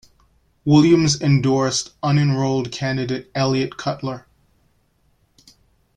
Williams endorsed unenrolled candidate Eliot Cutler.